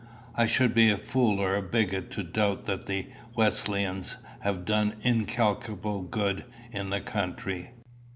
"I should be a fool or a bigot to doubt that the Wesleyans have done incalculable good in the country.